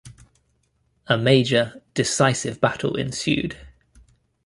A major, decisive battle ensued.